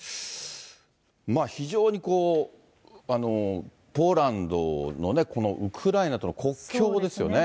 非常にポーランドのウクライナとの国境ですよね。